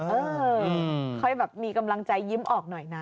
เออค่อยแบบมีกำลังใจยิ้มออกหน่อยนะ